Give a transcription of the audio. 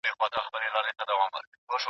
د پښتو ملي شاعر ژوند څېړل کېږي